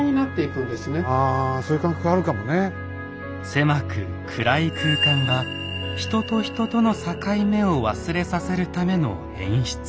狭く暗い空間は人と人との境目を忘れさせるための演出。